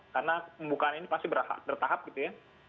karena pembukaan ini pasti bertahap gitu ya